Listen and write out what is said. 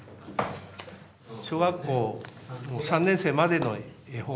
小学校３年生までの絵本。